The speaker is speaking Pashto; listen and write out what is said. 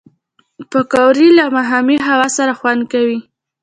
پکورې له ماښامي هوا سره خوند کوي